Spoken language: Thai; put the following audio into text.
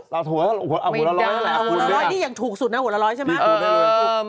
เราหัวละ๑๐๐เคยมากูลได้หรอครับหัวละ๑๐๐นี่ถูกสุดนะใช่ไหม